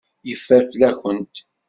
Yeffer fell-akent.